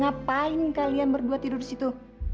ngapain kalian berdua tidur disitu